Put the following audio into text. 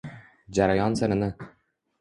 jarayon sirini